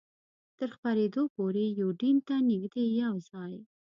تر خپرېدو پورې یوډین ته نږدې یو ځای.